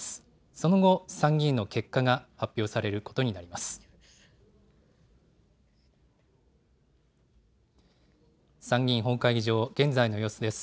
その後、参議院の結果が発表されることになります。